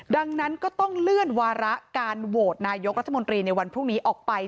ดังนั้นก็ต้องเลื่อนวาระการโหวตนายกรัฐมนตรีในวันพรุ่งนี้ออกไป